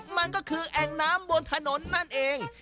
มันก็คือแอ่งน้ำบนถนนนั่นเอง